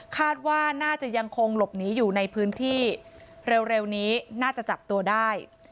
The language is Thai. คาดว่าน่าจะยังคงหลบหนีอยู่ในพื้นที่เร็วนี้น่าจะจับตัวได้